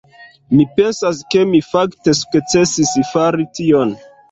Mi pensas ke mi fakte sukcesis fari tion.